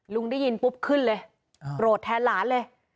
ได้ยินปุ๊บขึ้นเลยโกรธแทนหลานเลย